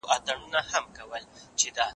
زه به پوښتنه کړې وي!.